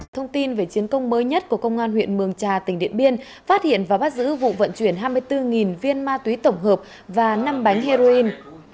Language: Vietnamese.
thông tin về chiến công mới nhất của công an huyện mường trà tỉnh điện biên phát hiện và bắt giữ vụ vận chuyển hai mươi bốn viên ma túy tổng hợp và năm bánh heroin